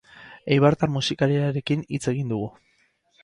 Eibartar musikariarekin hitz egin dugu.